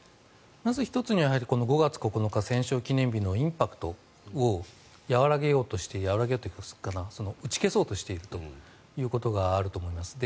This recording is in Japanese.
まず１つには、５月９日戦勝記念日のインパクトをやわらげようとしてというか打ち消そうとしているということがあると思います。